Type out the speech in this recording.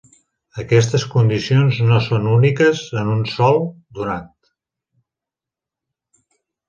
Aquestes condicions no són úniques en un sòl donat.